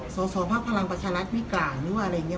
ศอโสภาพพลังประชาลัศนิกรหรืออะไรนี้